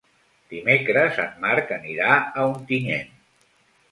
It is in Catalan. Dimecres en Marc anirà a Ontinyent.